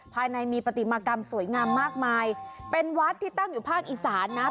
ภายในมีปฏิมากรรมสวยงามมากมายเป็นวัดที่ตั้งอยู่ภาคอีสานนะ